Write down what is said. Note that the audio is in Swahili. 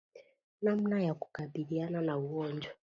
Namna ya kukabiliana na ugonjwa